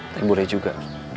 tapi boleh juga